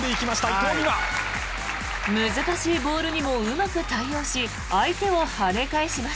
難しいボールにもうまく対応し相手を跳ね返します。